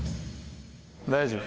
大丈夫？